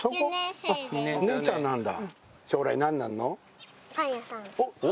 あっお姉ちゃんなんだ。